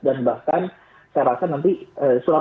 dan bahkan saya rasa nanti surat uncutan